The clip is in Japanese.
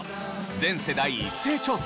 全世代一斉調査